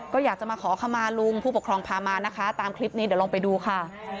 ก็อยากจะมาขอขมาลุงผู้ปกครองพามานะคะตามคลิปนี้เดี๋ยวลองไปดูค่ะ